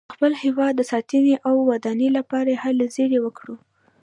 د خپل هېواد ساتنې او ودانۍ لپاره هلې ځلې وکړو.